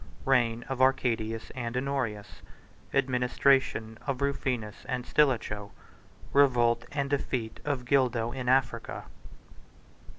—Reign Of Arcadius And Honorius—Administration Of Rufinus And Stilicho.—Revolt And Defeat Of Gildo In Africa.